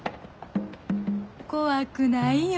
怖くないよ